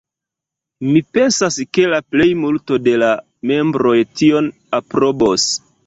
Mi pensas ke la plejmulto de la membroj tion aprobos.